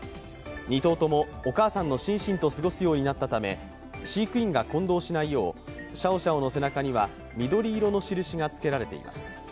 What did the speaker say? ２頭ともお母さんのシンシンと過ごすようになったため飼育員が混同しないようシャオシャオの背中には飼育員が混同しないよう緑色の印がつけられています。